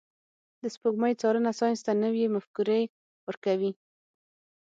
د سپوږمۍ څارنه ساینس ته نوي مفکورې ورکوي.